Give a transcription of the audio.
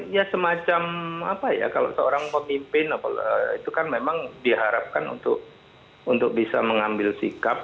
ya semacam apa ya kalau seorang pemimpin itu kan memang diharapkan untuk bisa mengambil sikap